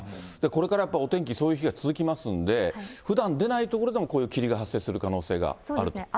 これからやっぱりお天気、そういう日が続きますんで、ふだん出ない所でも、霧が発生する可能性があると。